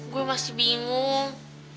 gue masih bingung